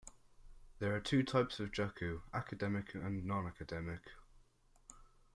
There are two types of juku, academic and nonacademic.